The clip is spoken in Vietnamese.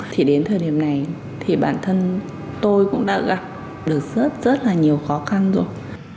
thì đến thời điểm này thì bản thân tôi cũng đã gặp được rất rất là nhiều khó khăn rồi